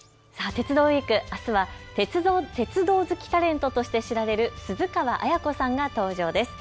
鉄道ウイーク、あすは鉄道好きタレントで知られている鈴川絢子さんが登場です。